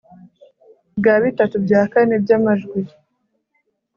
Bwa bitatu bya kane by'amajwi